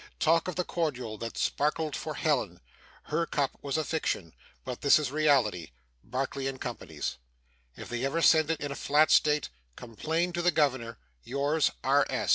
Talk of the cordial that sparkled for Helen! HER cup was a fiction, but this is reality (Barclay and Co.'s). If they ever send it in a flat state, complain to the Governor. Yours, R.